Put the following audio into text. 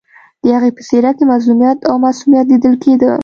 د هغې په څېره کې مظلومیت او معصومیت لیدل کېده